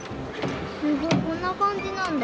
すごい！こんな感じなんだ。